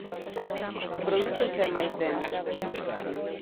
O produto é xa máis denso.